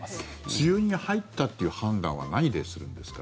梅雨に入ったという判断は何でするんですか？